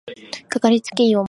かかりつけ医を持とう